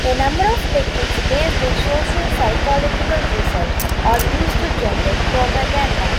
A number of techniques based in social psychological research are used to generate propaganda.